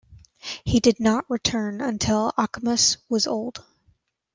He did not return until Ochimus was old.